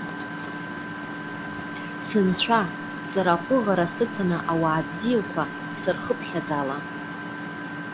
Сынцәа! Сара аҟәыӷара сыҭаны ауаа бзиақәа сырхыԥхьаӡала.